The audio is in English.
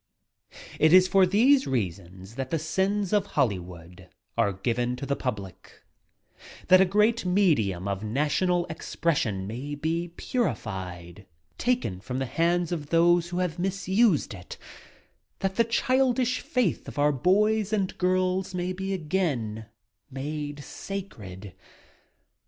It is for these reasons that the SINS OF HOLLYWOOD are given to the public \ That a great medium of national expres sion may be purified — taken from the hands of those who have misused it — that the childish faith of our boys and girls may again be made sacred